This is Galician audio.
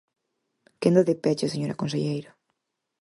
Quenda de peche, señora conselleira.